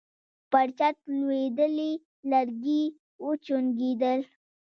پر چت لوېدلي لرګي وچونګېدل.